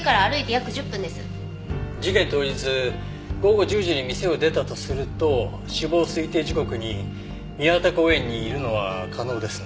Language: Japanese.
事件当日午後１０時に店を出たとすると死亡推定時刻に宮畠公園にいるのは可能ですね。